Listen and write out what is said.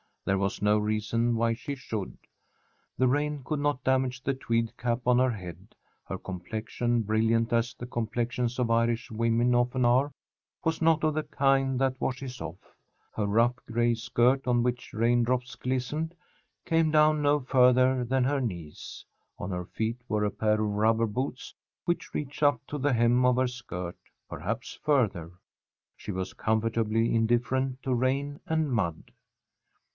There was no reason why she should. The rain could not damage the tweed cap on her head. Her complexion, brilliant as the complexions of Irish women often are, was not of the kind that washes off. Her rough grey skirt, on which rain drops glistened, came down no further than her knees. On her feet were a pair of rubber boots which reached up to the hem of her skirt, perhaps further. She was comfortably indifferent to rain and mud.